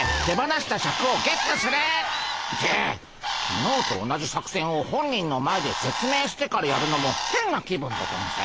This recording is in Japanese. きのうと同じ作戦を本人の前で説明してからやるのもへんな気分でゴンス。